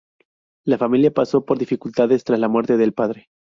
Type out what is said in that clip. La familia pasó por dificultades tras la muerte del padre.